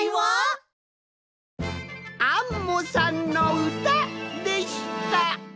「アンモさんのうた」でした！